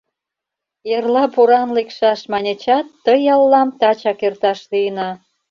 Эрла поран лекшаш, маньычат, ты яллам тачак эрташ лийна.